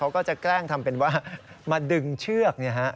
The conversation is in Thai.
ก็จะเเกล้งทำเป็นว่ามาดึงเชือกเนี่ยฮะ